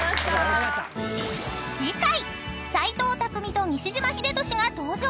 ［次回斎藤工と西島秀俊が登場］